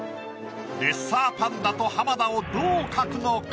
レッサーパンダと浜田をどう描くのか？